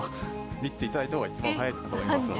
見ていただいた方が一番早いと思いますので。